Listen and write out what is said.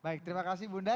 baik terima kasih bunda